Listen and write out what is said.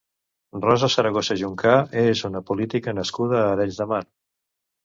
Rosa Zaragoza Juncá és una política nascuda a Arenys de Mar.